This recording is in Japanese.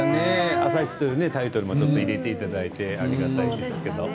「あさイチ」というタイトルもちょっと入れていただいてありがたいですけど。